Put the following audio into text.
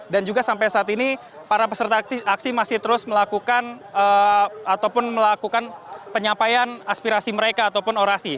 dan juga sampai saat ini para peserta aksi masih terus melakukan ataupun melakukan penyampaian aspirasi mereka ataupun orasi